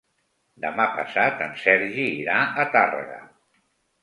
Demà passat en Sergi irà a Tàrrega.